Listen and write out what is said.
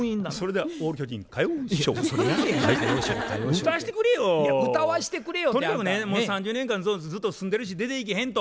とにかくねもう３０年間ずっと住んでるし出ていけへんと。